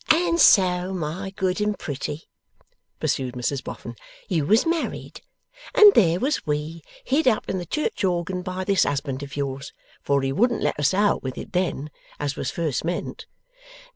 'And so, my good and pretty,' pursued Mrs Boffin, 'you was married, and there was we hid up in the church organ by this husband of yours; for he wouldn't let us out with it then, as was first meant.